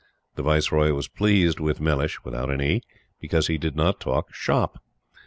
The Viceroy was pleased with Mellish because he did not talk "shop."